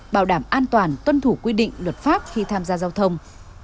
bảo đảm an toàn tuân thủ quy định luật pháp khi tham gia giao thông